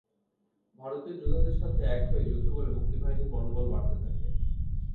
ভারতীয় যোদ্ধাদের সাথে এক হয়ে যুদ্ধ করে মুক্তিবাহিনীর মনোবল বাড়তে থাকে।